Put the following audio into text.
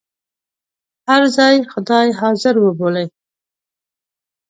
هر ځای خدای حاضر وبولئ.